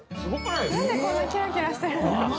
なんで、こんなキラキラしてるんですか？